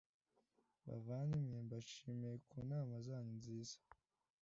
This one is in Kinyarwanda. Bavandimwe mbashimiye ku nama zanyu nziza.